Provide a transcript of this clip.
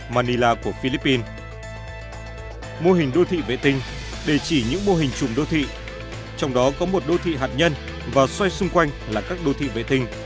mô hình đô thị vệ tinh để chỉ những mô hình chùm đô thị trong đó có một đô thị hạt nhân và xoay xung quanh là các đô thị vệ tinh